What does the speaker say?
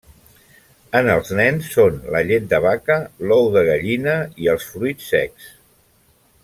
En els nens, són la llet de vaca, l'ou de gallina i els fruits secs.